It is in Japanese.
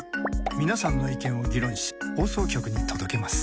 皆さんの意見を議論し放送局に届けます。